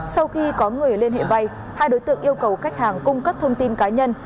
sau khi có người liên hệ vay hai đối tượng yêu cầu khách hàng cung cấp thông tin cá nhân